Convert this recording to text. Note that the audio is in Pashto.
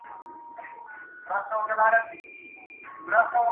• خو ذهن نه هېرېږي هېڅکله تل.